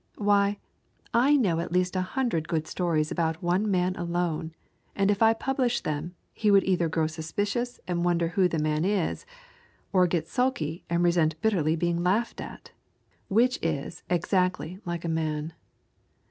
Why, I know at least a hundred good stories about one man alone, and if I published them he would either grow suspicious and wonder who the man is, or, get sulky and resent bitterly being laughed at! Which is exactly like a man.